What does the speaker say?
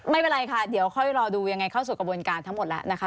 ไม่เป็นไรค่ะเดี๋ยวค่อยรอดูยังไงเข้าสู่กระบวนการทั้งหมดแล้วนะคะ